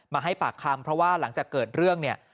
มาให้ปากคำเพราะว่าหลังจากเกิดเรื่องเนี่ย